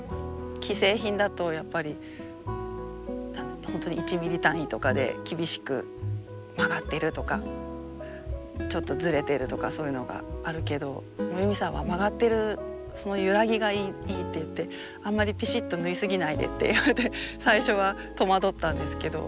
既製品だとやっぱり本当に１ｍｍ単位とかで厳しく「曲がってる」とか「ちょっとずれてる」とかそういうのがあるけどユミさんは「曲がってるその揺らぎがいい」って言って「あんまりぴしっと縫い過ぎないで」って言われて最初は戸惑ったんですけど。